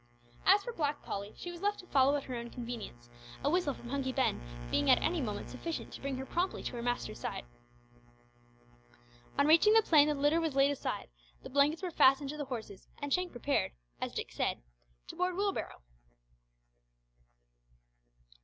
As for Black Polly, she was left to follow at her own convenience, a whistle from Hunky Ben being at any moment sufficient to bring her promptly to her master's side. On reaching the plain the litter was laid aside, the blankets were fastened to the horses, and Shank prepared, as Dick said, to board Wheelbarrow.